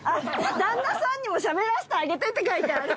旦那さんにもしゃべらせてあげてって書いてある。